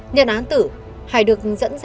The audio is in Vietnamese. nhân án tử hải được dẫn giải